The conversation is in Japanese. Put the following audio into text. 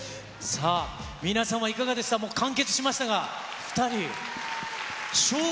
さあ、皆さんはいかがでしたか、完結しましたが。